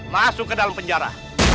masuk ke dalam penjara